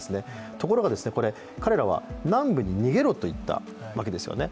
ところが彼らは南部に逃げろと言ったわけですよね。